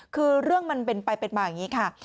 คือเรื่องมันเป็นไปเป็นมาอย่างนี้ค่ะ